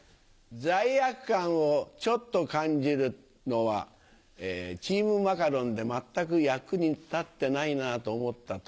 罪悪感をちょっと感じるのはチームマカロンで全く役に立ってないなと思った時。